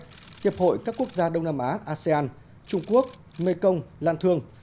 hiệp hội các quốc gia đông nam á asean trung quốc mekong lan thương